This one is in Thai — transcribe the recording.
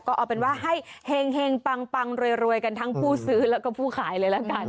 ก็เอาเป็นว่าให้เห็งปังรวยกันทั้งผู้ซื้อแล้วก็ผู้ขายเลยละกัน